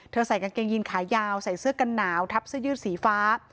ใส่กางเกงยีนขายาวใส่เสื้อกันหนาวทับเสื้อยืดสีฟ้า